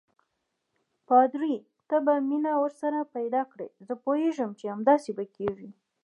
پادري: ته به مینه ورسره پیدا کړې، زه پوهېږم چې همداسې به کېږي.